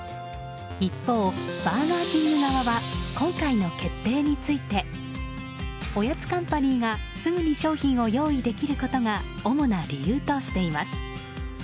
一方、バーガーキング側は今回の決定についておやつカンパニーがすぐに商品を用意できることが主な理由としています。